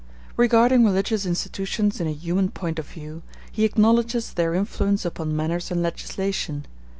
Regarding religious institutions in a human point of view, he acknowledges their influence upon manners and legislation.